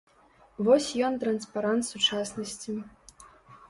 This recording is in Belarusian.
Вось ён транспарант сучаснасці.